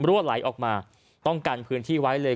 รั่วไหลออกมาต้องกันพื้นที่ไว้เลย